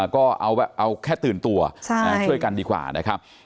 ก็เอาแค่ตื่นตัวช่วยกันดีกว่านะครับ